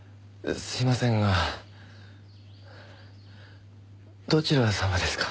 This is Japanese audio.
すいませんがどちら様ですか？